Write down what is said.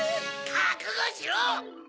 かくごしろ！